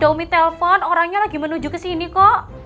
umi telpon orangnya lagi menuju kesini kok